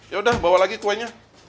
yaudah bawa lagi kuenya